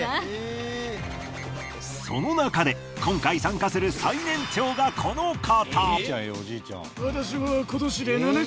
そのなかで今回参加する最年長がこの方。